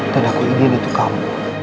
dan aku ingin itu kamu